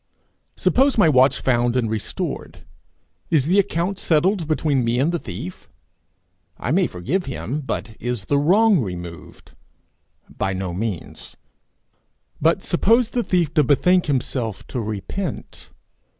Suppose my watch found and restored, is the account settled between me and the thief? I may forgive him, but is the wrong removed? By no means. But suppose the thief to bethink himself, to repent.